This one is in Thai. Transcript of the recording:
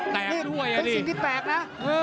เป็นสิ่งที่แปลกนะ